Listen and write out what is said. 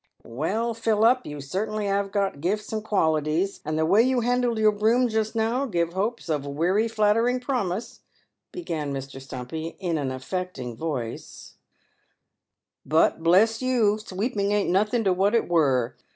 " Well, Philup, you certainly 'ave got gifts and qualities, and the way you handled your broom just now give hopes of werry nattering promise," began Mr. Stumpy, in an affecting voice ;" but, bless you, sweeping ain't nothing to what it were.